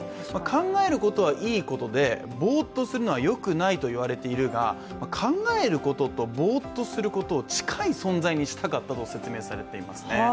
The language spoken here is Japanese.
考えることはいいことで、ぼーっとすることはよくないといわれているが考えることと、ぼーっとすることを近い存在にしたかったと説明されていますね。